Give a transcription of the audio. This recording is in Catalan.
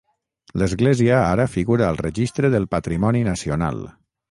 L'església ara figura al registre del patrimoni nacional.